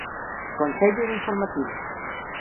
Consello de informativos.